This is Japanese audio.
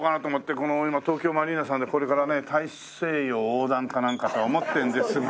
この今東京湾マリーナさんでこれからね大西洋横断かなんかと思ってるんですが。